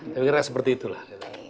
tapi kira kira seperti itulah